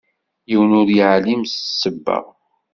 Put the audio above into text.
Yiwen ur yeεlim s ssebba.